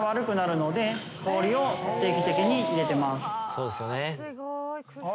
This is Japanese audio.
そうですよね。